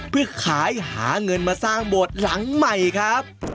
เพื่อขายหาเงินมาสร้างโบสถ์หลังใหม่ครับ